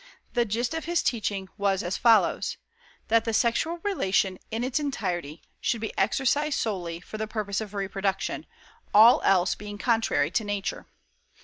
The gist of his teaching was as follows: That the sexual relation (in its entirety) should be exercised solely for the purpose of reproduction, all else being contrary to nature.